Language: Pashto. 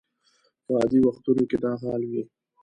په عادي وختونو کې دا حال وي.